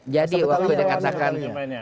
jadi waktu dikatakan